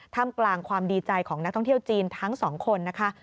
กลางความดีใจของนักท่องเที่ยวจีนทั้งสองคนนะคะ